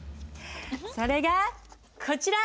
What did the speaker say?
それがこちら。